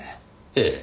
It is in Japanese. ええ。